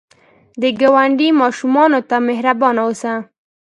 د ګاونډي ماشومانو ته مهربان اوسه